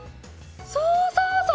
そうそう！